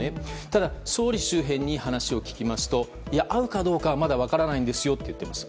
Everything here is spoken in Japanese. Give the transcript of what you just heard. ただ、総理周辺に話を聞きますと会うかどうかはまだ分からないんですよと言っています。